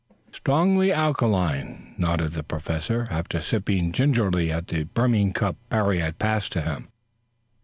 "Strongly alkaline," nodded the Professor, after sipping gingerly at the brimming cup Parry had passed to him.